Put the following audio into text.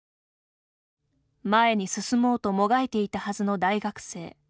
前に進もうともがいていたはずの大学生。